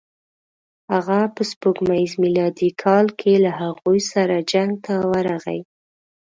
هغه په سپوږمیز میلادي کال کې له هغوی سره جنګ ته ورغی.